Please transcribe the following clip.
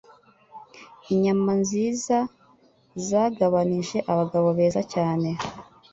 Inyama nziza zagabanije abagabo beza cyane